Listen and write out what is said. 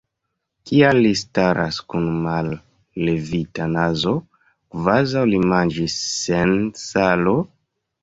Kial li staras kun mallevita nazo, kvazaŭ li manĝis sen salo?